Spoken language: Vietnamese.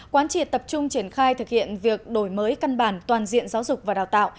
quán triệt tập trung triển khai thực hiện việc đổi mới căn bản toàn diện giáo dục và đào tạo